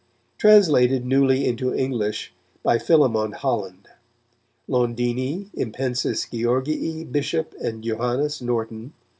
Translated newly into English by Philémon Holland. Londini, Impensis Georgii Bishop & Joannis Norton, M.DC.